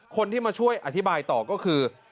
คนที่มาช่วยอธิบายต่อก็คือ